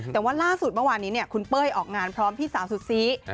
แต่ว่าล่าสุดเมื่อวานนี้คุณเป้ยออกงานพร้อมพี่สาวสุดซี